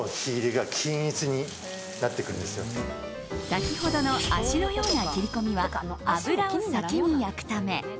先ほどの足のような切り込みは脂を先に焼くため。